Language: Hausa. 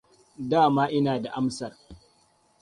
Dama ina da amsar.